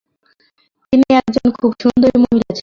তিনি একজন খুব সুন্দরী মহিলা ছিলেন।